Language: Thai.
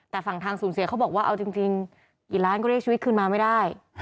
แต่ฝั่งทางศูนย์เสียเขาบอกว่าเอาจริงกี่ล้านก็เรียกชีวิตคืนมาไม่ได้